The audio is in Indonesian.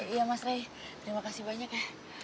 iya mas rey terima kasih banyak ya